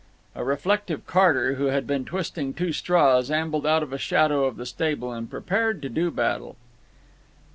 A reflective carter, who had been twisting two straws, ambled out of the shadow of the stable and prepared to do battle.